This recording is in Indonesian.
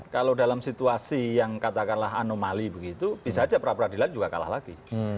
kalau dalam situasi yang katakanlah anomali begitu bisa saja pra peradilan juga kalah lagi